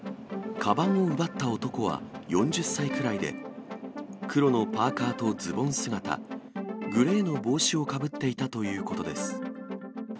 かばんを奪った男は４０歳くらいで、黒のパーカーとズボン姿、グレーの帽子をかぶっていたということです。